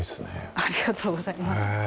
ありがとうございます。